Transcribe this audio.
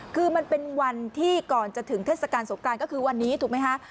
คือมันเป็นวันที่ก่อนจะถึงเทศกาลสงกรานก็คือวันนี้ถูกไหมคะ